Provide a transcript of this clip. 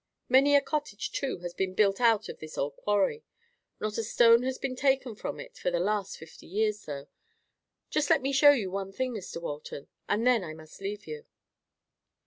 Many a cottage, too, has been built out of this old quarry. Not a stone has been taken from it for the last fifty years, though. Just let me show you one thing, Mr. Walton, and then I must leave you."